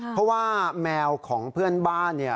เพราะว่าแมวของเพื่อนบ้านเนี่ย